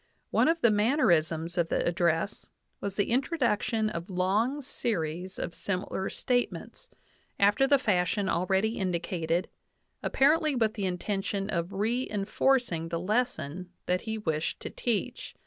One of the manner isms of the address was the introduction of long series of sim ilar statements, after the fashion already indicated, apparently with the intention of re enforcing the lesson that he wished to teach.